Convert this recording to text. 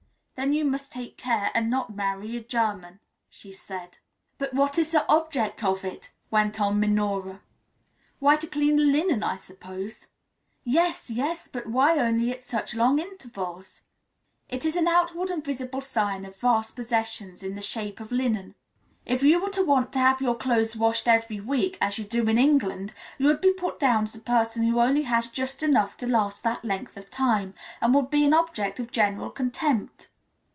"Then you must take care and not marry a German," she said. "But what is the object of it?" went on Minora. "Why, to clean the linen, I suppose." "Yes, yes, but why only at such long intervals?" "It is an outward and visible sign of vast possessions in the shape of linen. If you were to want to have your clothes washed every week, as you do in England, you would be put down as a person who only has just enough to last that length of time, and would be an object of general contempt."